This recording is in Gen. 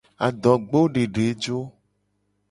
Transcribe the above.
Adogbodedejo.